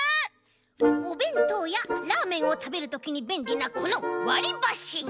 おべんとうやラーメンをたべるときにべんりなこのわりばし。